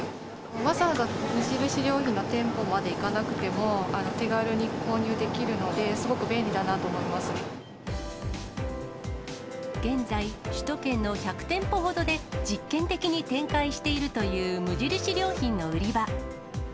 わざわざ無印良品の店舗まで行かなくても、手軽に購入できるので、現在、首都圏の１００店舗ほどで実験的に展開しているという無印良品の売り場。